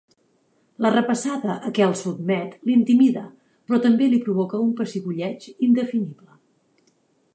La repassada a què el sotmet l'intimida, però també li provoca un pessigolleig indefinible.